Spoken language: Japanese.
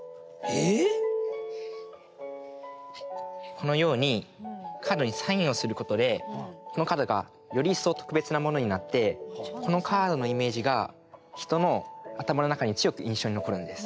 このようにカードにサインをすることでこのカードがより一層特別なものになってこのカードのイメージが人の頭の中に強く印象に残るんです。